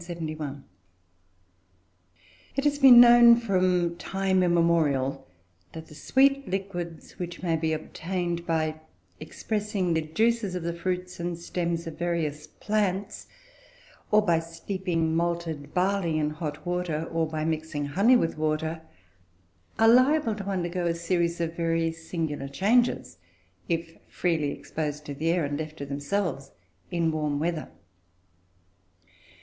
IV YEAST It has been known, from time immemorial, that the sweet liquids which may be obtained by expressing the juices of the fruits and stems of various plants, or by steeping malted barley in hot water, or by mixing honey with water are liable to undergo a series of very singular changes, if freely exposed to the air and left to themselves, in warm weather.